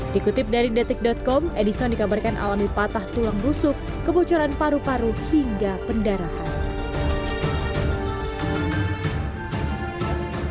dikutip dari detik com edison dikabarkan alami patah tulang busuk kebocoran paru paru hingga pendarahan